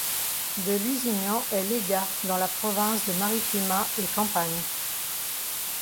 De Lusignan est légat dans la province de Marittima et Campagne.